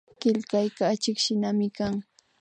Killkayka achikshinami kan